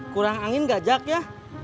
kurang angin gak jack ya